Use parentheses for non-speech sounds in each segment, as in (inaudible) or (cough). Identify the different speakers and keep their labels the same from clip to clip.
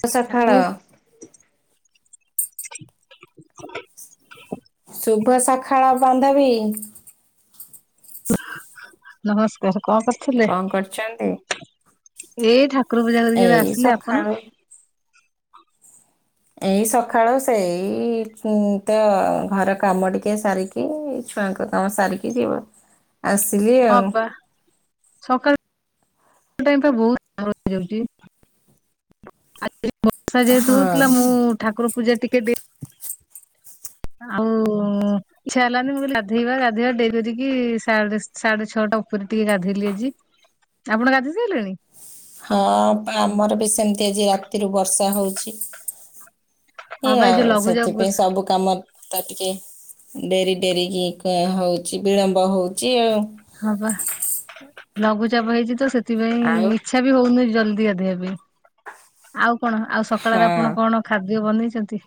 Speaker 1: ଶୁଭ ସକାଳ
Speaker 2: ଆଲୋ
Speaker 1: ଶୁଭ ସଖାଳ ବାନ୍ଧବି।
Speaker 2: ନମସ୍କାର କଣ କରୁ ଥିଲେ ଏଇ
Speaker 1: କଣ କରୁଛନ୍ତି?
Speaker 2: ଠାକୁର ପୂଜା କରିକି ଏବେ
Speaker 1: ଏଇ
Speaker 2: ଆସିଲେ ଆପଣ
Speaker 1: ସକାଳୁ ଏଇ ସକାଳ ସେଇ ତ ପୁଣି ଘର କାମ ଟିକେ ସାରିକି କି ଛୁଆଙ୍କ ସାରିକି ଯିବ।
Speaker 2: (inaudible)
Speaker 1: ଆସିଲି।
Speaker 2: ହଁ
Speaker 1: ଆଉ
Speaker 2: ପା ସକାଳ (unintelligible) ଆ (unintelligible) ବର୍ଷା ଯେହେତୁ
Speaker 1: ହଁ
Speaker 2: ହଉଥିଲା ମୁଁ ଠାକୁର ପୂଜା ଟିକେ ଡେ ଆଉ ଉଁ ଉଁ ଇଚ୍ଛା ହେଲାନି ମୁଁ କଇଲି ଗାଧେଇବା ଗାଧେଇବା ଡେରିରେ ଟିକେ ସାଢେ ସାଢେ ଛଅଟା ଉପରେ ଟିକେ ଗାଧେଇଲି ଆଜି। ଆପଣ ଗାଧେ (unintelligible) ସାଇଲେଣି?
Speaker 1: ହଁ ପା ଆମର ବି ସେମ୍ତି ଆଜି ରାତିରୁ ବର୍ଷା ହଉଛି। ହେ
Speaker 2: ହଁ ବା ଏଇ
Speaker 1: ଆଉ
Speaker 2: ଯୋଉ ଲଘୁଚାପ
Speaker 1: ସେଥିପାଇଁ ସବୁ କାମ ତ ଟିକେ ଡେରି ଡେରି (unintelligible) ହଉଛି ବିଳମ୍ବ ହଉଛି ଆଉ।
Speaker 2: ହଁ ବା ଲଘୁଚାପ ହେଇଛି ତ ସେଥିପାଇଁ
Speaker 1: ଆଉ
Speaker 2: (unintelligible) ଇଚ୍ଛା ବି ହଉନି ଜଲ୍ଦି ଗାଧେଇଆ ପାଇଁ ଆଉ କଣ ଆଉ ସକାଳରେ ଆପଣ
Speaker 1: ହଁ
Speaker 2: କଣ ଖାଦ୍ୟ ବନେଇଚନ୍ତି?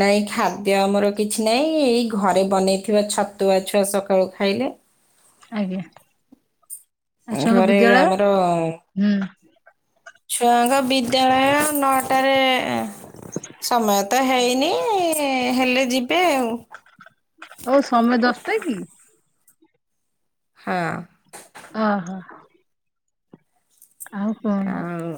Speaker 1: ନାଇଁ ଖାଦ୍ୟ ଆମର କିଛି ନାଇଁ ଏଇ ଘରେ ବନେଇଥିବା ଛତୁଆ ଛୁଆ ସକାଳୁ ଖାଇଲେ।
Speaker 2: ଆଜ୍ଞା ଆ ଛୁଆଙ୍କ
Speaker 1: ଘରେ
Speaker 2: ବିଦ୍ୟାଳୟ
Speaker 1: ଆମର
Speaker 2: ହୁଁ।
Speaker 1: ଛୁଆଙ୍କ ବିଦ୍ୟାଳୟ ନଅଟାରେ। (unintelligible) ସମୟ ତ ହେଇନି ହେଲେ ଯିବେ ଆଉ।
Speaker 2: ହଉ ସମୟ ଦଶଟା କି?
Speaker 1: ହଁ।
Speaker 2: ଅହ। ଆଉ କଣ
Speaker 1: ଆଉ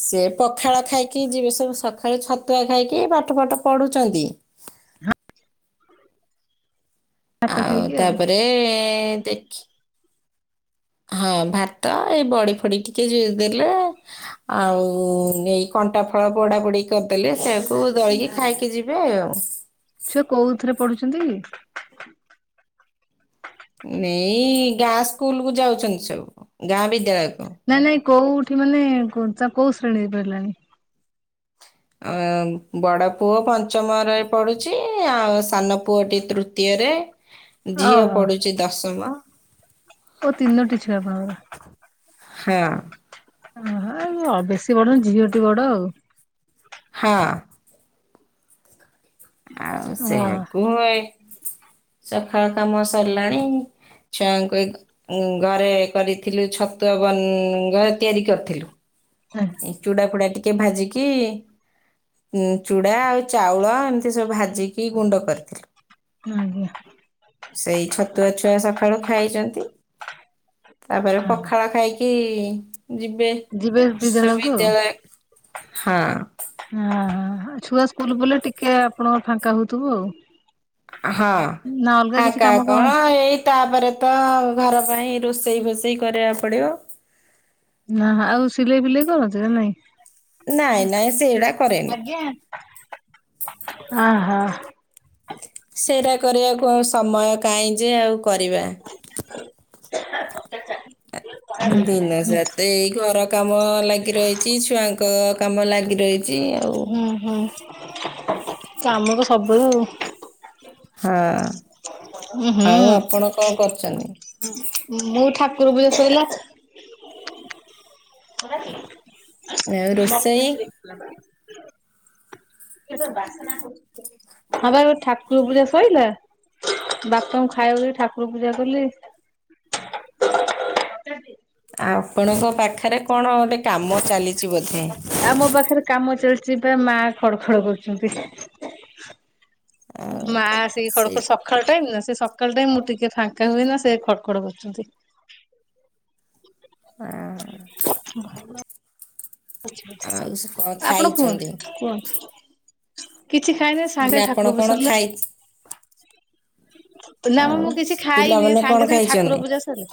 Speaker 1: ସେ ପଖାଳ ଖାଇକି ଯିବେ ସବୁ ସଖାଳେ ଛତ୍ ତୁଆ ଖାଇକି ପାଠ ଫାଠ ପଢୁଛନ୍ତି।
Speaker 2: ଭାତ
Speaker 1: ଆଉ
Speaker 2: ଖାଇକି
Speaker 1: ତାପରେ ଦେଖି ହଁ ଭାତ ଏଇ ବଡି ଫଡି ଟିକେ (unintelligible) ଦେଲେ ଆଉ ଏଇ କଣ୍ଟାଫଳ ପୋଡା ପୋଡି କର୍ ଦେଲେ ସେଇଆକୁ ଦଳିକି ଖାଇକି ଯିବେ ଆଉ।
Speaker 2: ସେ କୋଉ ଥିରେ ପଢୁଛନ୍ତି କି?
Speaker 1: ଏଇ ଗାଁ ସ୍କୁଲ୍ କୁ ଯାଉଚନ୍ତି ସବୁ ଗାଁ ବିଦ୍ୟାଳୟକୁ।
Speaker 2: ନାଇଁ ନାଇଁ କୋଉଠି ମାନେ (unintelligible) କୋଉ ଶ୍ରେଣୀ ପଢ଼ିଲାଣି?
Speaker 1: ଅ ବଡ଼ପୁଅ ପଞ୍ଚମରେ ରହି ପଢ଼ୁଚି ଆଉ ସାନପୁଅଟି ତୃତୀୟରେ। ଝିଅ
Speaker 2: ଓହୋ
Speaker 1: ପଢ଼ୁଚି ଦଶମ।
Speaker 2: ଓ ତିନୋଟି ଛୁଆ ଆପଣଙ୍କର।
Speaker 1: ହଁ।
Speaker 2: ଅ ହଁ ବ ବେଶୀ ବଡ (unintelligible) ଝିଅଟି ବଡ ଆଉ।
Speaker 1: ହଁ। ଆଉ ସେ
Speaker 2: ଓହୋ
Speaker 1: (unintelligible) ସଖାଳ କାମ ସରଲାଣି? ଛୁଆଙ୍କୁ ଏ ଉଁ ଘରେ କରିଥିଲି ଛତୁଆ ବନ୍ ଘରେ ତିଆରି କରିଥିଲୁ।
Speaker 2: ହାଁ।
Speaker 1: ଉଁ ଚୁଡ଼ାଫୁଡ଼ା ଟିକେ ଭାଜିକି ଉଁ ଚୁଡ଼ା ଆଉ ଚାଉଳ ଏମ଼ତି ସବୁ ଭାଜିକି ଗୁଣ୍ଡ କର୍ ଥିଲୁ।
Speaker 2: ଆଜ୍ଞା।
Speaker 1: ସେଇ ଛତୁଆ ଛୁଆ ସଖାଳୁ ଖାଇଚନ୍ତି। ତାପରେ
Speaker 2: ହଁ
Speaker 1: ପଖାଳ ଖାଇକି ଯିବେ।
Speaker 2: ଯିବେ
Speaker 1: ସେ
Speaker 2: ବିଦ୍ୟାଳୟକୁ
Speaker 1: ବିଦ୍ୟାଳୟ ହଁ।
Speaker 2: ହଁ-ହଁ ଛୁଆ ସ୍କୁଲ୍ ଗଲେ ଟିକେ ଆପଣଙ୍କ ଫାଙ୍କା ହଉଥିବ ଆଉ।
Speaker 1: ହଁ
Speaker 2: ନା ଅଲଗା କିଛି
Speaker 1: ଫାଙ୍କା
Speaker 2: କାମ
Speaker 1: କଣ ଏଇ ତାପରେ ତ ଘର ପାଇଁ ରୋଷେଇ ଫୋଷେଇ କରିଆ ପଡିବ।
Speaker 2: ନା ଆଉ ସିଲେଇ ଫିଲେଇ କରନ୍ତି ନା ନାଇଁ?
Speaker 1: ନାଇଁ ସେଇଗୁଡା କରେନି।
Speaker 2: ଆଜ୍ଞା (unintelligible) ଆ ହା
Speaker 1: ସେ ରା କରିବାକୁ ଆଉ ସମୟ କାହିଁ ଯେ ଆଉ କରିବା
Speaker 2: (unintelligible)
Speaker 1: ଦିନ ସାରା ତ ଏଇ ଘରକାମ ଲାଗିରହିଛି। ଛୁଆଙ୍କ କାମ ଲାଗିରହିଛି।
Speaker 2: ହୁଁ ହୁଁ। କାମ ତ ସବୁୁବେଳେ ଆଉ।
Speaker 1: ହଁ,
Speaker 2: ଉଁ
Speaker 1: ଆଉ
Speaker 2: ହୁଁ
Speaker 1: ଆପଣ କଣ କରୁଚନ୍ତି?
Speaker 2: ମୁଁ ଠାକୁର ପୂଜା ସଇଲା
Speaker 1: ଆଉ ରୋଷେଇ
Speaker 2: (unintelligible) ହଁ ବା ଏବେ ଠାକୁର ପୂଜା ସଇଲା। ବାପାଙ୍କୁ ଖାଇବାକୁ ଦେବି ଠାକୁର ପୂଜା କଲି।
Speaker 1: ଆପଣଙ୍କ ପାଖରେ କଣ ଗୋଟେ କାମ ଚାଲିଛି ବୋଧେ?
Speaker 2: ଆମ ପାଖରେ କାମ ଚାଲିଛି ତା ମା ଖଡ ଖଡ କରୁଛନ୍ତି।
Speaker 1: ଆଉ
Speaker 2: ମା ସେଇ ଖଡ ଖଡ ସ ସକାଳ ଟାଇମ ନା? ସେ ସକାଳ ଟାଇମ ମୁଁ ଟିକେ ଫାଙ୍କା ହୁଏ ନା। ସେ ଖଡ଼ ଖଡ କରୁଛନ୍ତି। (unintelligible)
Speaker 1: ଆଁ ଆଉ ସେ କଣ
Speaker 2: ଆପଣ
Speaker 1: ଖାଇଛନ୍ତି
Speaker 2: କୁହନ୍ତୁ। କୁହନ୍ତୁ କିଛି ଖାଇନି ସାଙ୍ଗେ
Speaker 1: କହିଲେ
Speaker 2: ସଙ୍ଗେ
Speaker 1: ଆପଣ
Speaker 2: ଠାକୁର
Speaker 1: କଣ
Speaker 2: ପୂଜା ସରିଲା।
Speaker 1: ଖାଇ
Speaker 2: ନା ବା
Speaker 1: ଆଉ
Speaker 2: ମୁଁ କିଛି ଖାଇନି।
Speaker 1: ପିଲାମାନେ କଣ
Speaker 2: ସାଙ୍ଗେ ସାଙ୍ଗେ ଠାକୁର
Speaker 1: ଖାଇଛନ୍ତି
Speaker 2: ପୂଜା ସରିଲା।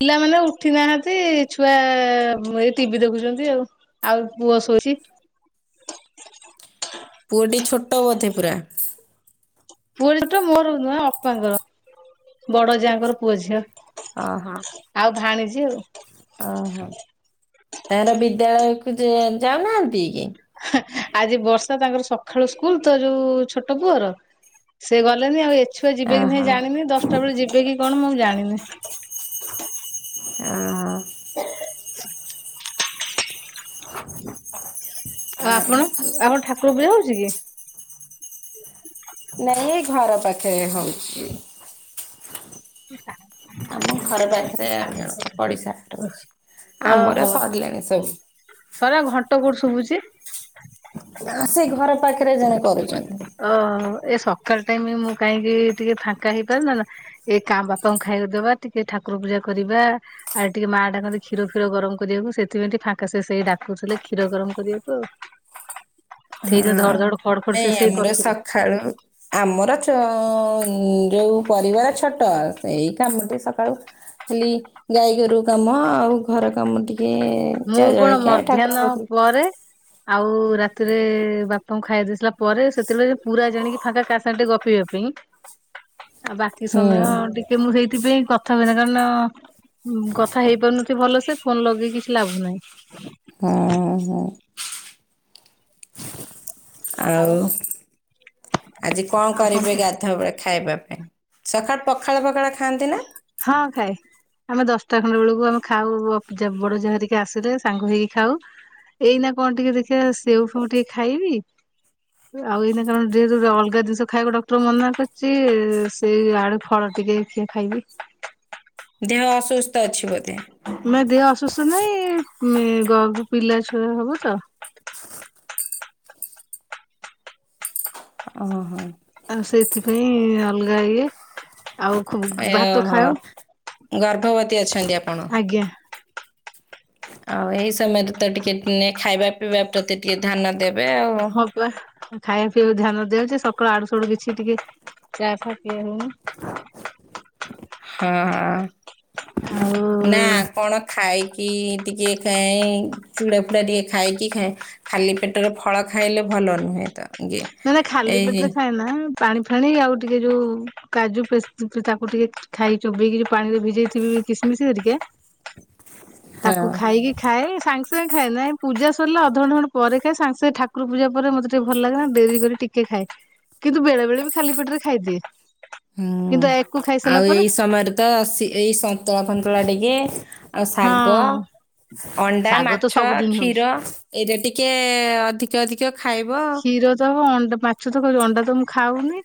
Speaker 2: ପିଲାମାନେ ଉଠି ନାହାନ୍ତି। ଛୁଆ ଏଇ ଟିଭି ଦେଖୁଛନ୍ତି ଆଉ। ଆଉ ପୁଅ ଶୋଇଛି।
Speaker 1: ପୁଅଟି ଛୋଟ ବୋଧେ ପୁରା?
Speaker 2: (unintelligible) ତ ମୋର ନୁହଁ ଅପାଙ୍କର। ବଡ ଯାଆଙ୍କର ପୁଅ ଝିଅ।
Speaker 1: ଅ ହଁ।
Speaker 2: ଆଉ ଭାଣିଜି ଆଉ।
Speaker 1: ଅ ହ ତାଙ୍କର ବିଦ୍ୟାଳୟକୁ ଯି ଯାଉନାହାନ୍ତି କି?
Speaker 2: ହା ଆଜି ବର୍ଷା ତାଙ୍କର ସକାଳୁ ସ୍କୁଲ ତ ଯୋଉ ଛୋଟ ପୁଅର। ସେ ଗଲେନି। ଆଉ ଏଛୁଆ ଯିବେ କି
Speaker 1: ଓହୋ
Speaker 2: ନାଇଁ ଜାଣିନି। ଦଶଟା ବେଳେ ଯିବେ କି କଣ ମୁଁ ଜାଣିନି।
Speaker 1: ଅ ହ। (unintelligible)
Speaker 2: ଆଉ ଆପଣ? ଆପଣଙ୍କ ଠାକୁର ପୁଜା ହଉଛି କି?
Speaker 1: ନାଇଁ ଏଇ ଘର ପାଖେରେ ହଉଛି। ଆମ ଘର ପାଖରେ ଆଉ ଜଣକ ପଡିଶା (unintelligible) ଆମର ସରିଲାଣି ସବୁ।
Speaker 2: ସଇଲା ଆଉ ଘଣ୍ଟ କୋଉଠୁ ଶୁଭୁଛି?
Speaker 1: ତାଙ୍କ ସେଇ ଘର ପାଖରେ ଜଣେ କରୁଚନ୍ତି।
Speaker 2: ଅ। ଏ ସକାଳ ଟାଇମରେ ମୁଁ କାହିଁକି ଟିକେ ଫାଙ୍କା ହେଇପାରୁ (unintelligible) ଏ କାମ୍ ବାପାଙ୍କୁ ଖାଇବାକୁ ଦବା, ଟିକେ ଠାକୁର ପୂଜା କରିବା ଆଡେ ଟିକେ ମା ଡାକନ୍ତି କ୍ଷୀର ଫିର ଗରମ କରିବାକୁ ସେଥିପାଇଁ ଟିକେ ଫାଙ୍କ ଅବିକା ସେ ସେଇ ଡାକୁଥିଲେ କ୍ଷୀର ଗରମ କରିବାକୁ ଆଉ। ସେଇଥିପାଇଁ ଧଡ
Speaker 1: ହଁ
Speaker 2: ଧଡ ଫଡ଼ ଫଡ଼ ସେ
Speaker 1: ନାଇଁ
Speaker 2: ସେଇ
Speaker 1: ଆମର
Speaker 2: କରୁଥିଲେ।
Speaker 1: (unintelligible) ଆମର ଚ ଉ ଯୋଉ ପରିବାର ଛୋଟ ସେଇ କାମଟିକେ ସକାଳୁ ଖାଲି ଗାଈ ଗୋରୁ କାମ, ଆଉ ଘର କାମ ଟିକେ
Speaker 2: ମୁଁ
Speaker 1: ଚା
Speaker 2: କଣ
Speaker 1: ଜଳଖିଆ ଠାକୁର
Speaker 2: ମଧ୍ୟାହ୍ନ
Speaker 1: ପାଖରୁ
Speaker 2: ପରେ ଆଉ ରାତିରେ ବାପାଙ୍କୁ ଖାଇଆ ଦେଇସାରିଲା ପରେ। ସେତେବେଳେ ପୁରା ଜାଣିକି ଫାଙ୍କା କା ସାଙ୍ଗ ଟେ ଗପିବା ପାଇଁ। ଆ ବାକି
Speaker 1: ହୁଁ
Speaker 2: ସମୟ ଟିକେ ମୁଁ ସେଇଥିପାଇଁ କଥା ହୁଏନା କାରଣ ହୁଁ କଥା ହେଇ ପାରୁନଥିବି ଭଲ ସେ ଫୋନ୍ ଲଗେଇକି କିଛି ଲାଭ ନାହିଁ‌।
Speaker 1: ହୁଁ ହୁଁ! ଆଉ ଆଜି କଁ
Speaker 2: ଆଉ କଣ
Speaker 1: କରିବେ
Speaker 2: କୁହ
Speaker 1: ଗାଧୁଆବେଳେ ଖାଇବା ପାଇଁ? (unintelligible) ପଖାଳ ଫଖାଳ ଖାଆନ୍ତି ନା?
Speaker 2: ହଁ ଖାଏ। ଆମେ ଦଶଟା ଖଣ୍ଡେ ବେଳକୁ ଆମେ ଖାଉ ଅଫଯା ବଡ ଯା ହରିକା ଆସିଲେ ସାଙ୍ଗ ହେଇକି ଖାଉ। ଏଇନା କଣ ଟିକେ ଦେଖିଆ ସେଉ ଫେଉ ଟିକେ ଖାଇବି। ଆଉ ଏଇନା କାରଣ ଡେଡୁରୁ ଅଲଗା ଜିନ୍ଷ ଖାଇବାକୁ ଡକ୍ଟର ମନା କରିଚି। ସେଇ ଆଡୁ ଫଳ ଟିକେ ଟିକେ ଖାଇବି।
Speaker 1: ଦେହ ଅସୁସ୍ଥ ଅଛି ବୋଧେ?
Speaker 2: ମେ ଦେହ ଅସୁସ୍ଥ ନାହିଁ ମେ ଗ ପିଲା ଛୁଆ ହବ ତ।
Speaker 1: ହ (unintelligible) ଓହୋ।
Speaker 2: ଆଉ ସେଇଥିପାଇଁ ଅଲଗା ଇଏ। ଆଉ ଖୁବୁ ଭାତ
Speaker 1: ଓହୋ।
Speaker 2: ଖାାଉ?
Speaker 1: ଗର୍ଭବତୀ ଅଛନ୍ତି ଆପଣ।
Speaker 2: ଆଜ୍ଞା!
Speaker 1: ଆଉ ଏଇ ସମୟରେ ତ ଟିକେ ଉଁ ଖାଇବା ପିଇବା ପ୍ରତି ଟିକେ ଧ୍ୟାନ ଦେବେ ଆଉ।
Speaker 2: କୁ ଖାଇବା ପିଇବା ବି ଧ୍ୟାନ ଦିଆଉଚି। ସକାଳୁ ଆଡୁ ସୁଡୁ କିଛି ଟିକେ ଚା ଫା କିଏ ହଉନି।
Speaker 1: ହଁ ହଁ!
Speaker 2: ଆଉ
Speaker 1: ନା କଣ ଖାଇକି ଟିକେ ଖାଏ ଚୁଡ଼ା ଫୁଡ଼ା ଟିକେ ଖାଇକି ଖାଏ। ଖାଲି ପେଟରେ ଫଳ ଖାଇଲେ ଭଲ ନୁହେଁ ତ। ଇଏ
Speaker 2: ନା ନା ଖାଲି
Speaker 1: ଏଇ
Speaker 2: ପେଟରେ ଖାଏନା। ପାଣି ଫାଣି ଆଉ ଟିକେ ଯୋଉ କାଜୁ ପେସ୍ ତାକୁ ଟିକେ ଖାଇ ଚୋବେଇ କିରି ପାଣିରେ ଭି ଯେଇଥିମି କିଶିମିଶି ହରିକି। ତାକୁ
Speaker 1: ହଁ।
Speaker 2: ଖାଇକି ଖାଏ। ସାଙ୍ଗେ ସାଙ୍ଗ ଖାଏ ନାଇଁ। ପୂଜା ସରିଲା ଅଧଘଣ୍ଟ ଖଣ୍ଟେ ପରେ ଖାଏ। ସାଙ୍ଗେ ସେ ଠାକୁର ପୂଜା ମତେ ଟିକେ ଭଲ ଲାଗେନା ଡେରି କରି ଟିକେ ଖାଏ କିନ୍ତୁ ବେଳେ ବେଳେ ବି ଖାଲି ପେଟରେ ଖାଇଦିଏ।
Speaker 1: ହୁଁ
Speaker 2: କିନ୍ତୁ ୟାକୁ ଖାଇସାରିଲା
Speaker 1: ଆଉ
Speaker 2: ପରେ
Speaker 1: ଏଇ ସମୟରେ ତ ସି ଏଇ ସନ୍ତଳା ଫନ୍ତୂଳା ଟିକେ ଆଉ
Speaker 2: ହଁ
Speaker 1: ଶାଗ ଅଣ୍ଡା,
Speaker 2: ଶାଗ ତ
Speaker 1: ମାଛ,
Speaker 2: ସବୁଦିନ ହଉଛି
Speaker 1: କ୍ଷୀର ଏଇରେ ଟିକେ ଅଧିକ ଅଧିକ ଖାଇବ।
Speaker 2: କ୍ଷୀର ତ ହ ମାଛ ତ କ ଅଣ୍ଡା ତ ମୁଁ ଖାଉନି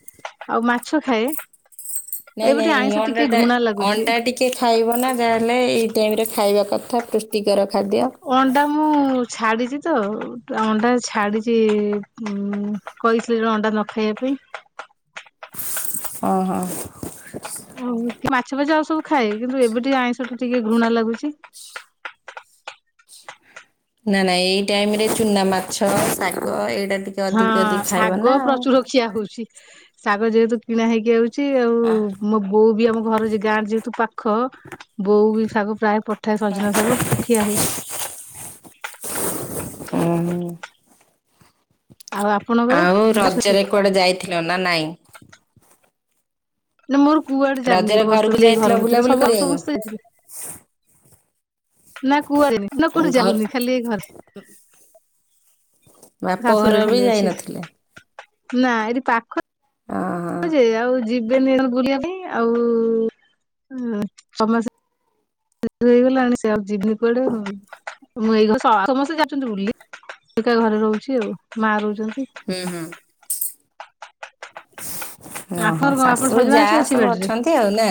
Speaker 2: ଆଉ ମାଛ ଖାଏ। ଏବେଟେ ଆଇଁଷ ଟିକେ ଘୃଣା ଲାଗୁଚି।
Speaker 1: ଟିକଏ ଖାଇବ ନା ଯାହାହେଲେ ଏଇ ଟାଇମ୍ରେ ଖାଇବା କଥା ପୁଷ୍ଟିକର ଖାଦ୍ୟ।
Speaker 2: ଅଣ୍ଡା ମୁଁ ଛାଡ଼ିଚି ତ ଅଣ୍ଡା ଛାଡ଼ିଚି ଉମ୍ କହିଥିଲି ଯେ ଅଣ୍ଡା ନ ଖାଇବା ପାଇଁ।
Speaker 1: ଓହ।
Speaker 2: ଆଉ ମାଛ ଫାଛ ଆଉ ସବୁ ଖାଏ କିନ୍ତୁ ଏବେ ଟିକିଏ ଆଇଁଷଟୁ ଟିକେ ଘୃଣା ଲାଗୁଚି।
Speaker 1: ନା ନାଇଁ ଏଇ ଟାଇମରେ ଚୁନାମାଛ, ଶାଗ ଏଇଟା (unintelligible)
Speaker 2: ହଁ
Speaker 1: ଅଧିକ ଖାଇବ
Speaker 2: ଶାଗ
Speaker 1: ନା
Speaker 2: ପ୍ରଚୁର ଖିଆ ହଉଚି। ଶାଗ ଯେହେତୁ କିଣା ହେଇକି ଆଉଚି ଆଉ ମୋ ବୋଉ ବି ଆମ ଘର ଯେ ଗାଁ ଯେହେତୁ ପାଖ ବୋଉ ବି ଶାଗ ପ୍ରାୟ ପଠାଏ ସଜନା ଶାଗ ଖିଆ ହଉଛି।
Speaker 1: ଉଁ ହୁଁ।
Speaker 2: ଆଉ ଆପଣଙ୍କର
Speaker 1: ଆଉ ରଜରେ କୁଆଡ଼େ ଯାଇଥିଲ ନା ନାଇଁ?
Speaker 2: ନା ମୋର କୁଆଡ଼େ ଚାନି
Speaker 1: ରଜରେ
Speaker 2: ବର୍ଷ
Speaker 1: ଘରକୁ
Speaker 2: ହେଲେ ଏଇ
Speaker 1: ଯାଇଥିଲ
Speaker 2: ଘର ଭିତରେ
Speaker 1: ବୁଲାବୁଲି
Speaker 2: ସବୁ ଆଉ ସମସ୍ତେ
Speaker 1: କରିବାକୁ
Speaker 2: ଯାଇଥିଲେ, ନା କୁଆଡ଼େନି ନା କଉଠି
Speaker 1: ଘର
Speaker 2: ଯାଉନି ଖାଲି ଏ ଘରେ,
Speaker 1: ବାପ ଘର
Speaker 2: ଶାଶୁଘରେ
Speaker 1: ବି
Speaker 2: ଖାଲି ଅଛି
Speaker 1: ଯାଇନଥିଲେ
Speaker 2: ନା ଏଠି ପାଖ,
Speaker 1: କଁ ହଁ,
Speaker 2: ଯେ ଆଉ ଯିବେନି ବୁଲିବା ପାଇଁ ଆଉ ଉଁ ସମସେ, ହେଇଗଲାଣି ସେ ଆଉ ଯିବିନି କୁଆଡ଼େ ହୁଁ ମୁଁ ଏଇ ଘ ସମସ୍ତେ ଯାଉଛନ୍ତି ବୁଲି, ସେଟା ଘରେ ରହୁଛି ଆଉ ମା ରହୁଛନ୍ତି,
Speaker 1: ହୁଁ-ହୁଁ, ଓହୋ
Speaker 2: ଆପଣଙ୍କର କଣ ଆପଣ
Speaker 1: ଶାଶୁ
Speaker 2: ସଜନା
Speaker 1: ଯା
Speaker 2: ଗଛ ଅଛି
Speaker 1: ସବୁ
Speaker 2: ବାଡିରେ
Speaker 1: ଅଛନ୍ତି ଆଉ ନା,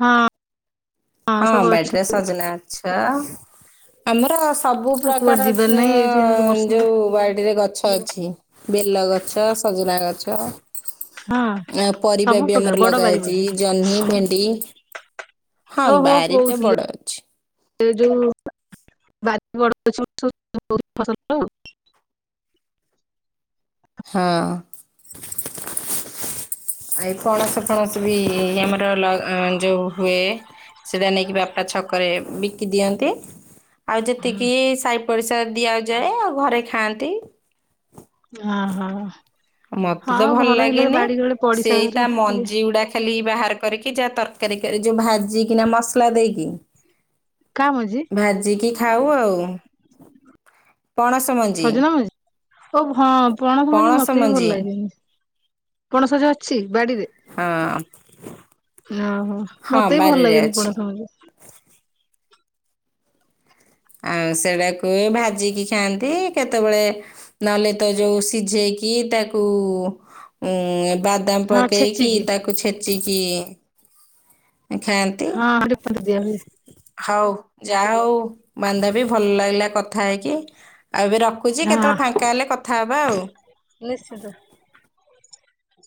Speaker 2: ହଁ,
Speaker 1: ହଁ
Speaker 2: ସବୁ ଅଛ
Speaker 1: ବ୍ୟାଟରେ ସଜନା ଗଛ, ଆମର ସବୁ
Speaker 2: ଆଉ କୁଆଡେ
Speaker 1: ପ୍ରକାର
Speaker 2: ଯିବାର
Speaker 1: ଯ
Speaker 2: ନାହିଁ ଏଇଠି ଏଇନାକେ ବସନ୍ତୁ
Speaker 1: ଯୋଉ ବାଡ଼ିରେ ଗଛ୍, ଟ ଅଛି ବେଲ ଗଛ ସଜନା ଗଛ,
Speaker 2: ହଁ
Speaker 1: ଆ ପରିବା
Speaker 2: ସବୁ
Speaker 1: ବି
Speaker 2: ପ୍ରକାର
Speaker 1: ଆମର
Speaker 2: ବଡ
Speaker 1: ଲଗା
Speaker 2: ବାରି
Speaker 1: ହେଇଛି
Speaker 2: ବୋଧେ
Speaker 1: ଜହ୍ନି ଭେଣ୍ଡି, ହଁ
Speaker 2: ଓହୋ
Speaker 1: ବାରିଟେ ବଡ
Speaker 2: କହୁଥିଲେ,
Speaker 1: ଅଛି।
Speaker 2: ସେ ଯୋଉ ବାଜି (inaudible)
Speaker 1: ହଁ, ଆ ପଣସ ଫଣସ ବି ଇଏ ଆମର ଲଗାନ୍ ଯୋଉ ହୁଏ, ସେଟା ନେଇକି ବାପା ଛକରେ ବିକି ଦିଅନ୍ତି, ଆଉ ଯେତିକି ସାହି ପରିସା ଦିଆଯାଏ ଆଉ ଘରେ ଖାଆନ୍ତି,
Speaker 2: ହଁ-ହଁ,
Speaker 1: ମତେ ତ ଭଲ ଲାଗେନି
Speaker 2: ପଡିଶା
Speaker 1: ସେଇ ତା
Speaker 2: ଘରେ ଟିକେ
Speaker 1: ମଞ୍ଜି ଗୁଡ଼ାକ୍, ଖାଲି ବାହାର କରିକି ଯାହା ତରକାରୀ କରି ଯୋଉ ଭାଜିିକିନା ମସଲା ଦେଇକି,
Speaker 2: କାଁ ମଝି?
Speaker 1: ଭାଜିକି ଖାଉ ଆଉ, ପଣସ ମନ୍
Speaker 2: ସଜନା ମଞ୍ଜି ଓଉ ହଁ ପଣସ ମଞ୍ଜି ମ ଏତେ ବି ଭଲ ଲାଗେନି ପଣସ ଯୋଉ ଅଛି ବାଡ଼ିରେ,
Speaker 1: ହଁ,
Speaker 2: ନା ଓହୋ
Speaker 1: ହଁ
Speaker 2: ମତେ ବି ଭଲ
Speaker 1: ବାରିରେ
Speaker 2: ଲାଗେନି
Speaker 1: ଅଛି।
Speaker 2: ପଣସ ମଞ୍ଜି,
Speaker 1: ଆଉ ସେଟାକୁ ବି ଭାଜିକି ଖାଆନ୍ତି କେତେବେଳେ, ନହେଲେ ତ ଯୋଉ ସିଝେଇକି ତାକୁ ଉଁ ବାତ୍ ଦାମ୍
Speaker 2: ହଁ
Speaker 1: ପକେଇକି
Speaker 2: ଛେଚିକି
Speaker 1: ତାକୁ ଛେଚିକି, ଏଇ ଖାଆନ୍ତି,
Speaker 2: ହଁ ଦିଆ ହୁଏ
Speaker 1: ହଉ ଯା ହଉ ମାନ୍ଦା ବି ଭଲ ଲାଗିଲା କଥା ହେଇକି ଏବେ ରଖ୍, ରଖୁଛି କେତେବେଳେ ଫାଙ୍କା ହେଲେ କଥା ହେବା ଆଉ,
Speaker 2: ନିସିିତ,